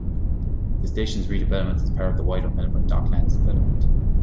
The station's redevelopment is part of the wider Melbourne Docklands development.